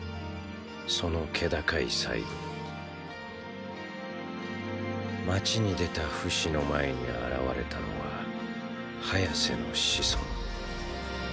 その気高い最期街に出たフシの前に現れたのはハヤセの子孫